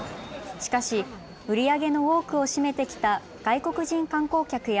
しかし、売り上げの多くを占めてきた外国人観光客や